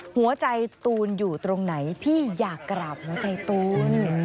หัวใจตูนอยู่ตรงไหนพี่อยากกราบหัวใจตูน